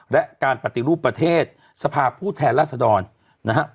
และการปฏิรูปประเทศสภาพผู้แทนราษดรนะฮะ